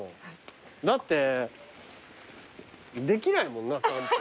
だってできないもんな散歩。